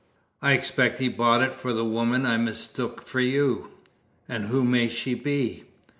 "I expect he bought it for the woman I mistook for you." "And who may she be?"